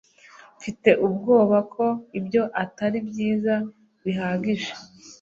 mfite ubwoba ko ibyo atari byiza bihagije